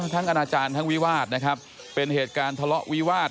อาณาจารย์ทั้งวิวาสนะครับเป็นเหตุการณ์ทะเลาะวิวาส